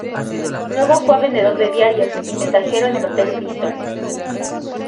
Luego fue vendedor de diarios y mensajero en el Hotel Bristol.